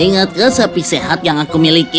ingatkan sapi sehat yang aku miliki